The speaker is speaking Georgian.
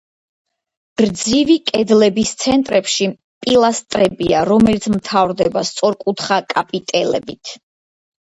გრძივი კედლების ცენტრებში პილასტრებია, რომელიც მთავრდება სწორკუთხა კაპიტელებით.